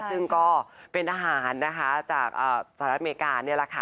ซึ่งก็เป็นอาหารนะคะจากสหรัฐอเมริกานี่แหละค่ะ